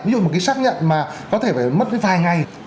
ví dụ một cái xác nhận mà có thể phải mất cái vài ngày